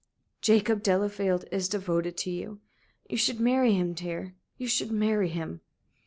"Jacob Delafield is devoted to you. You should marry him, dear you should marry him."